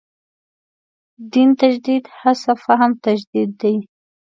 دین تجدید هڅه فهم تجدید دی.